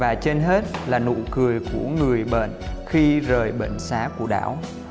và trên hết là nụ cười của người bệnh khi rời bệnh xá của đảo